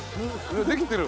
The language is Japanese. できてる。